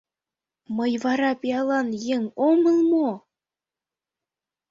Мый вара пиалан еҥ омыл мо?..